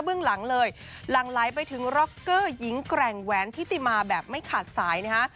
เบื้องหลังเลยหลังไปถึงยิงแกร่งแหวนทิติมาแบบไม่ขาดสายนะคะ